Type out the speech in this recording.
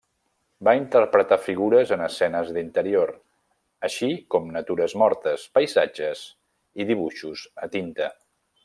Va interpretar figures en escenes d'interior, així com natures mortes, paisatges i dibuixos a tinta.